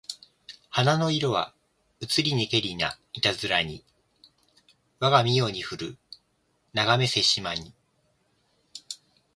花の色はうつりにけりないたづらにわが身世にふるながめせしまに